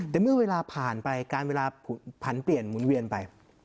แต่เมื่อเวลาผ่านไปการเวลาผันเปลี่ยนหมุนเวียนไป